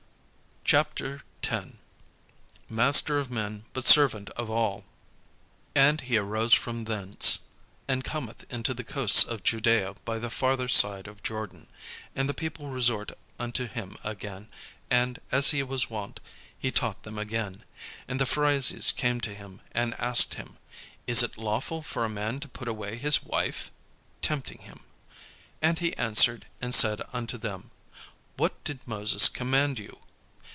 CHAPTER X MASTER OF MEN BUT SERVANT OF ALL And he arose from thence, and cometh into the coasts of Judaea by the farther side of Jordan: and the people resort unto him again; and, as he was wont, he taught them again. And the Pharisees came to him, and asked him, "Is it lawful for a man to put away his wife?" tempting him. And he answered and said unto them: "What did Moses command you?"